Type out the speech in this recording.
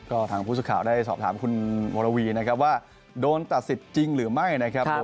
ก็ทางผู้สื่อข่าวได้สอบถามคุณวรวีนะครับว่าโดนตัดสิทธิ์จริงหรือไม่นะครับ